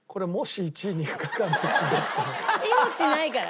命ないから。